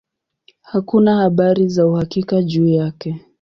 Hakuna habari za uhakika juu yake.